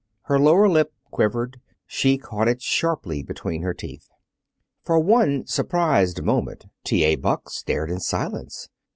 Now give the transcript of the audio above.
Her lower lip quivered. She caught it sharply between her teeth. For one surprised moment T.A. Buck stared in silence.